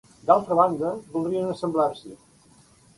D'altra banda, voldrien assemblar-s'hi.